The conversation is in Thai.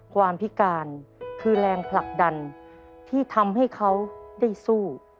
ความพิการคือแรงผลักดันที่ทำให้เขาได้สู้